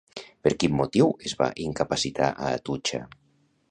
Per quin motiu es va incapacitar a Atutxa?